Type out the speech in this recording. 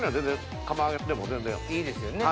いいですよね。